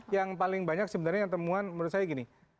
yang paling banyak sebenarnya yang temuan menurut saya gini